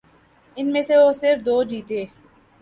ان میں سے وہ صرف دو جیتنے